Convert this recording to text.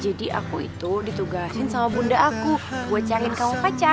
jadi aku itu ditugasin sama bunda aku gue cariin kamu pacar